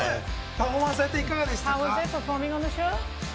パフォーマンスやられて、いかがでしたか？